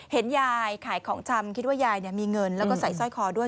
เห็นยายขายของชำคิดว่ายายมีเงินแล้วก็ใส่สร้อยคอด้วย